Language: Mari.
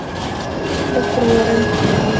— Доктыр Уоррен!